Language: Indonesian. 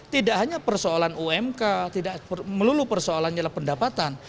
tidak hanya persoalan umk tidak melulu persoalan pendapatan